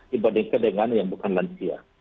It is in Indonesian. dibandingkan dengan yang bukan lansia